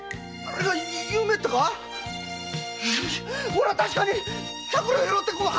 俺は確かに百両拾ったんだよ！